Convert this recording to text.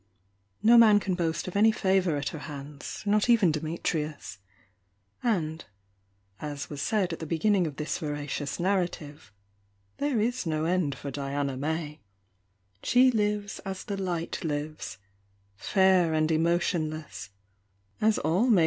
Cman can W of any favour at her hands, not evTn DfrniS And, as was said at the beginning of this veracious narrative there is no end for Diana mIv She bves as the light lives, fair and emotionless J asJu K^i.